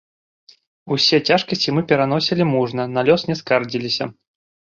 Усе цяжкасці мы пераносілі мужна, на лёс не скардзіліся.